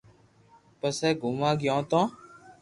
پسي گومئوا گيو تو